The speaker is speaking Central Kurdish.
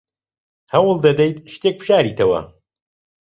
هەوڵ دەدەیت شتێک بشاریتەوە؟